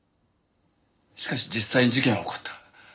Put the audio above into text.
しかし実際に事件は起こった。